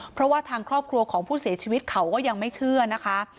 เพราะว่าทางครอบครัวของผู้เสียชีวิตเขาก็ยังไม่เชื่อนะคะ